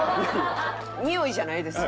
においじゃないですよ。